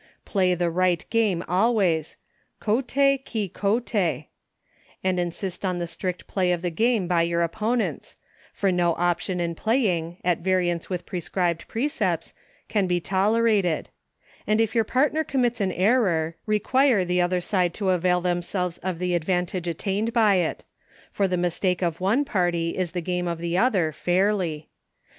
Flay the right game always — couU qui couie — and insist on the strict play of the game by your opponents, for no option in playing, at vari ance with prescribed precepts, can be tolera ted; and, if your partner commits an error, require the other side to avail themselves of the advantage attained by it — for the mistake of one party is the game of the other, fairly.